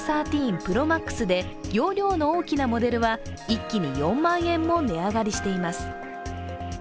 ＰｒｏＭａｘで容量の大きなモデルは一気に４万円も値上がりしています。